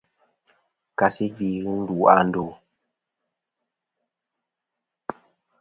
Kasi gvi ghɨ ndu a ndo.